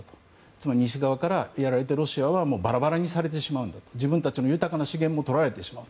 つまり、西側からやられてロシアはバラバラにされてしまう自分たちの豊かな資源も取られてしまう。